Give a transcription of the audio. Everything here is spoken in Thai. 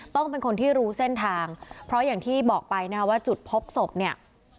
ต้องเป็นคนที่รู้เส้นทางเพราะอย่างที่บอกไปนะคะว่าจุดพบศพเนี่ย